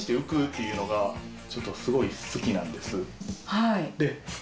はい。